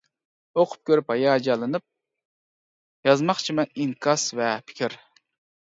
ئۇقۇپ-كۆرۈپ ھاياجانلىنىپ، يازماقچىمەن ئىنكاس ۋە پىكىر.